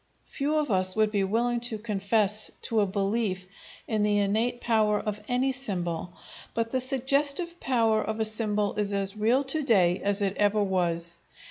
Few of us would be willing to confess to a belief in the innate power of any symbol, but the suggestive power of a symbol is as real to day as it ever was.